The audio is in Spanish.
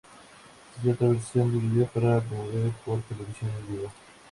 Existe otra versión del video para promover por televisión en vivo.